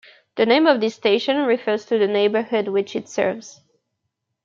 The name of this station refers to the neighbourhood which it serves.